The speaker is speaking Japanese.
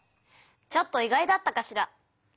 ちょっと意外だったかしら。